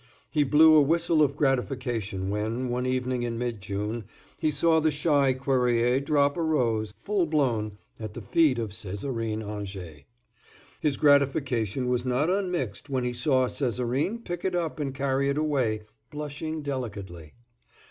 He blew a whistle of gratification when, one evening in mid June, he saw the shy Cuerrier drop a rose, full blown, at the feet of Césarine Angers. His gratification was not unmixed when he saw Césarine pick it up and carry it away, blushing delicately.